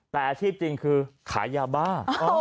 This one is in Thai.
แต่อาชีพจริงคือขายยาบ้า